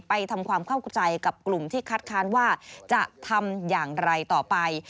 ทำความเข้าใจกับกลุ่มที่คัดค้านว่าจะทำอย่างไรต่อไป